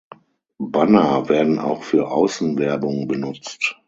Banner werden auch für Außenwerbung benutzt.